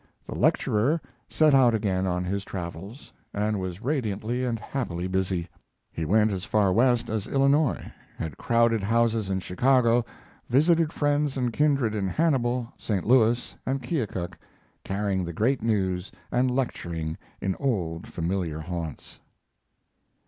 The lecturer set out again on his travels, and was radiantly and happily busy. He went as far west as Illinois, had crowded houses in Chicago, visited friends and kindred in Hannibal, St. Louis, and Keokuk, carrying the great news, and lecturing in old familiar haunts.